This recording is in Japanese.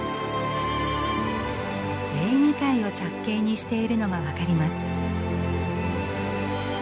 エーゲ海を借景にしているのが分かります。